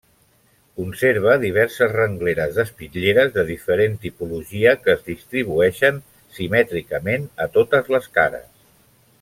Conserva diverses rengleres d'espitlleres de diferent tipologia, que es distribueixen simètricament a totes les cares.